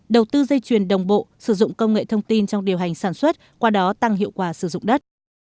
đầu tư dây chuyền đồng bộ sử dụng công nghệ thông tin trong điều hành sản xuất qua đó tăng hiệu quả sử dụng đất